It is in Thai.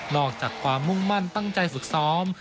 อกจากความมุ่งมั่นตั้งใจฝึกซ้อม